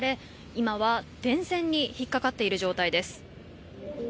今は電線に引っかかっている状態です。